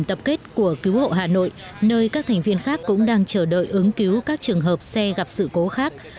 tập kết của cứu hộ hà nội nơi các thành viên khác cũng đang chờ đợi ứng cứu các trường hợp xe gặp sự cố khác